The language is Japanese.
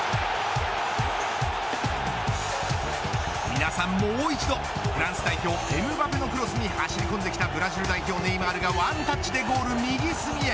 皆さん、もう一度、フランス代表エムバペのクロスに走り込んできたブラジル代表ネイマールがワンタッチでゴール右隅へ。